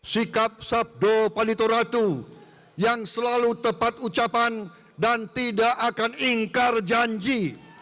sikap sabdo panitoratu yang selalu tepat ucapan dan tidak akan ingkar janji